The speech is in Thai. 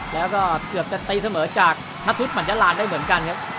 แล้วก็เกือบจะตีเสมอจากนัทธุมัญญรานได้เหมือนกันครับ